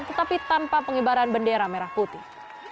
tetapi tanpa pengibaran bendera merah putih